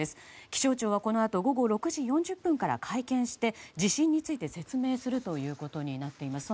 気象庁は、このあと午後６時４０分から会見して地震について説明することになっています。